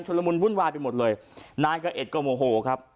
ละมุนวุ่นวายไปหมดเลยนายกะเอ็ดก็โมโหครับ